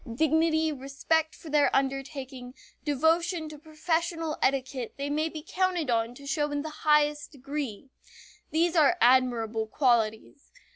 Dignity, respect for their undertaking, devotion to professional etiquette they may be counted on to show in the highest degree. These are admirable qualities.